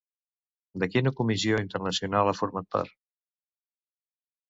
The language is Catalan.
De quina comissió internacional ha format part?